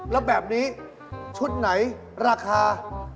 แล้วแบบนี้ชุดไหนราคา